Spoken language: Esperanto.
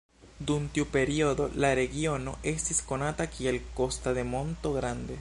Dum tiu periodo la regiono estis konata kiel Costa de Monto Grande.